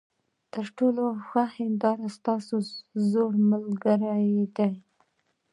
تر ټولو ښه هینداره ستا زوړ ملګری دی.